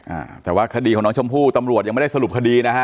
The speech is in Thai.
อ่าแต่ว่าคดีของน้องชมพู่ตำรวจยังไม่ได้สรุปคดีนะฮะ